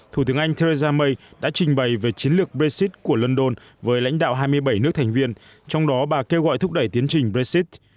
thủ tướng anh theresa may đã trình bày về chiến lược brexit của london với lãnh đạo hai mươi bảy nước thành viên trong đó bà kêu gọi thúc đẩy tiến trình brexit